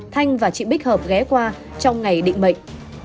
thanh và chị bích hợp ghé qua trong ngày định mệnh